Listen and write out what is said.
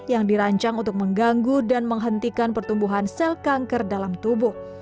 yang dirancang untuk mengganggu dan menghentikan pertumbuhan sel kanker dalam tubuh